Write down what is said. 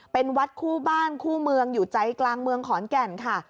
เป็นวัดคู่บ้านคู่เมืองอยู่ใจกลางเมืองขอนแก่นค่ะ